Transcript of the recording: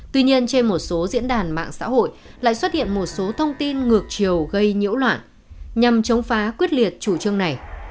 tuy nhiên trên một số diễn đàn mạng xã hội lại xuất hiện một số thông tin ngược chiều gây nhiễu loạn nhằm chống phá quyết liệt chủ trương này